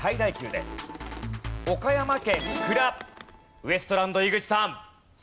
ウエストランド井口さん。